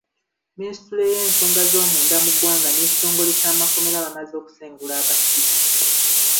Minisitule y’ensonga zoomunda mu ggwanga n’ekitongole ky’amakomera, bamaze okusengula abasibe.